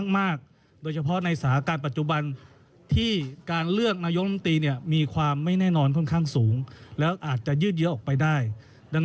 มันปัจจุบันที่การเลือกนายกรัฐมนตรีเนี๊ยมีความไม่แน่นอนค่อนข้างสูงแล้วอาจจะยืดยี๊อะออกไปได้ดัง